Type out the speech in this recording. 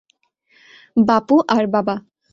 বাপু আর বাবা!